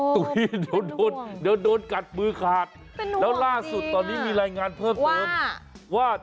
ตัวเองเดี๋ยวโดนเดี๋ยวโดนกัดมือขาดแล้วล่าสุดตอนนี้มีรายงานเพิ่มเติมว่า